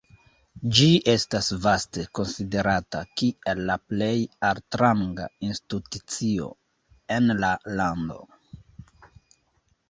Ĝi estas vaste konsiderata kiel la plej altranga institucio en la lando.